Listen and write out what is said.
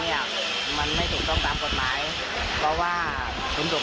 เนี่ยผมเราจะขอพูดต่อว่าที่ไหนเราจะถามว่ากฎสนอง